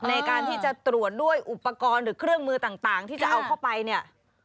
ในการที่จะตรวจด้วยอุปกรณ์หรือเครื่องมือต่างที่จะเอาเข้าไปเนี่ย